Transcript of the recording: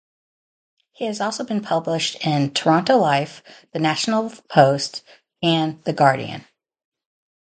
He has also been published in "Toronto Life", the "National Post" and "The Guardian".